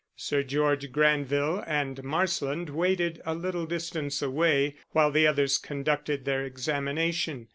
Sir George Granville and Marsland waited a little distance away while the others conducted their examination.